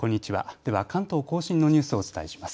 では関東甲信のニュースをお伝えします。